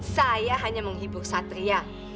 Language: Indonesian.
saya hanya menghibur satria